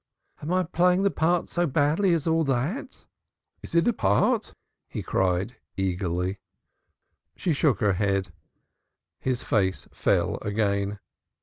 "Am I playing the part so badly as all that?" "Is it a part?" he cried eagerly. She shook her head. His face fell again.